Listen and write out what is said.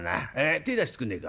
手ぇ出してくんねえか」。